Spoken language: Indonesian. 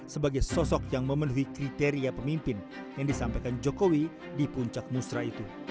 sebagai sosok yang memenuhi kriteria pemimpin yang disampaikan jokowi di puncak musra itu